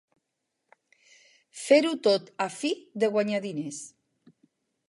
Fer-ho tot a fi de guanyar diners.